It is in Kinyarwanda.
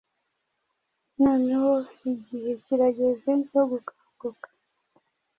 Noneho igihe kirageze cyo gukanguka,